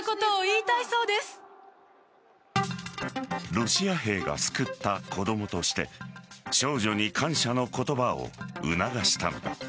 ロシア兵が救った子供として少女に感謝の言葉を促したのだ。